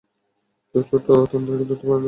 কেউ ছোট্ট থান্ডারকে ধরতে পারে না।